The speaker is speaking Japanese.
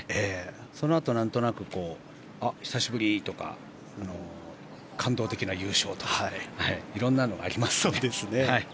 そのあと、何となく久しぶり！とか感動的な優勝とかいろんなものがありましたね。